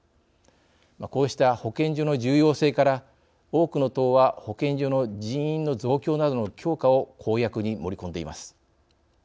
こうした保健所の重要性から多くの党は保健所の人員の増強などの強化を公約に盛り込んでいます。